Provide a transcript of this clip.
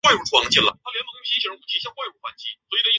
三巴旺的名称是来至。